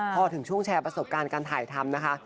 พอถึงช่วงแชร์ประสบการณ์การถ่ายทำนะคะ